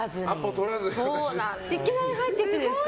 いきなり入ってきてですか？